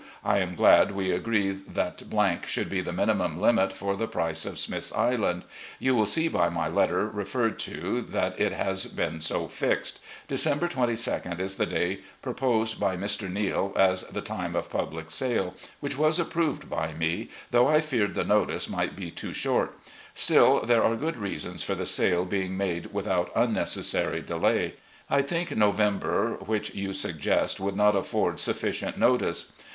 I am glad we agree that $ should be the minimum limit for the price of Smith's Island. You will see by my letter referred to that it has been so fixed. December 2 2d is the day proposed by Mr. Neale as the time of public sale, which was approved by me, though I feared the notice might be too short. Still there are good reasons for the sale being made without unnecessary delay. I think November, which you suggest, would not afford sufficient notice.